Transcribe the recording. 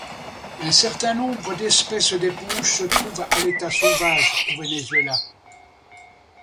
Un certain nombre d'espèces d'éponges se trouvent à l'état sauvage au Venezuela.